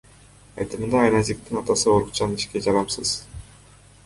Айтымында, Айназиктин атасы оорукчан, ишке жарамсыз.